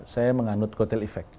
saya menganut kutel efek